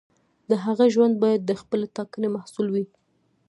د هغه ژوند باید د خپلې ټاکنې محصول وي.